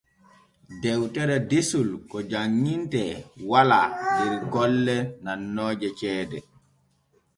Dewtere desol ko janŋintee walaa der golle nannooje ceede.